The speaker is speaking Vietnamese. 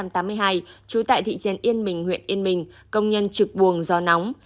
trú tại thị trấn yên bình huyện yên bình công nhân trực buồng gió nóng